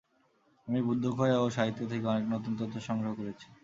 আমি বুদ্ধগয়া ও সাহিত্য থেকে অনেক নূতন তথ্য সংগ্রহ করেছি।